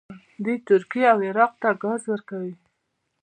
دوی ترکیې او عراق ته ګاز ورکوي.